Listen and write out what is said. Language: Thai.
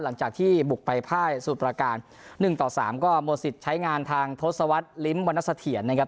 หลังจากที่บุกไปพ่ายสมุทรประการ๑ต่อ๓ก็หมดสิทธิ์ใช้งานทางทศวรรษลิ้มวรรณเสถียรนะครับ